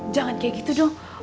jangan kayak gitu dong